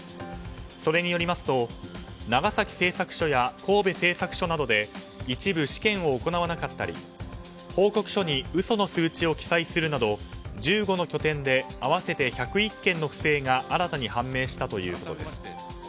それによりますと長崎製作所や神戸製作所などで一部試験を行わなかったり報告書に嘘の数値を記載するなど１５の拠点で合わせて１０１件の不正が新たに判明したということです。